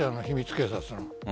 警察の。